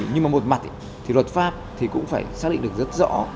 nhưng mà một mặt thì luật pháp thì cũng phải xác định được rất rõ